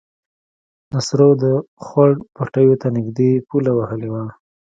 نصرو د خوړ پټيو ته نږدې پوله وهلې وه.